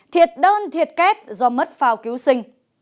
thiệt đơn thiệt kép do mất phào cứu sinh